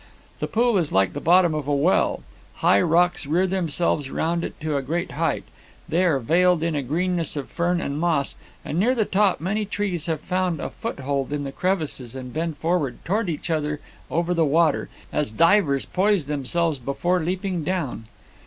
The pool is like the bottom of a well; high rocks rear themselves round it to a great height; they are veiled in a greenness of fern and moss, and near the top many trees have found a roothold in the crevices and bend forward towards each other over the water, as divers poise themselves before leaping down.